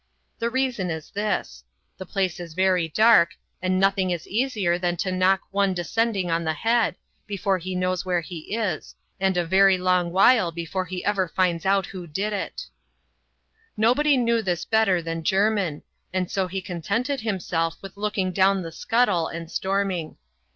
The reason is this. TYia i^\s\.<i^i \a n^x^ ^vs.^W % CHAP. IV.] A SCENE IN THE FORECASTLE. 15 and nothing is easier than to knock one descending on the head^ before he knows where he is, and a very long while before he ever finds out who did it. Nobody knew this better than Jermin, and so he contented himself with looking down the scuttle and storming.